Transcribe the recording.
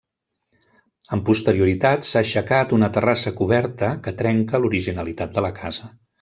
Amb posterioritat s'ha aixecat una terrassa coberta que trenca l'originalitat de la casa.